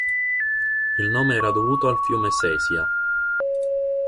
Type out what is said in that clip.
Il nome era dovuto al fiume Sesia.